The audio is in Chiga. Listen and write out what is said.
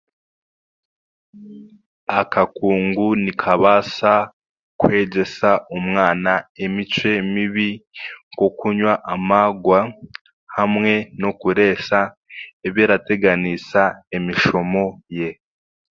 Akakungu nikabaasa kwegyesa omwana emicwe mibi nk'okunywa amaagwa hamwe n'okureesa ebirateganiisa emishomo ye.